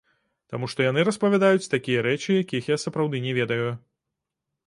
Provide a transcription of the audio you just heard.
Таму што яны распавядаюць такія рэчы, якіх я сапраўды не ведаю.